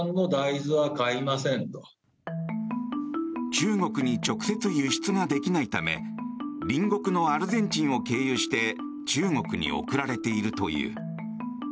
中国に直接輸出ができないため隣国のアルゼンチンを経由して中国に送られているという。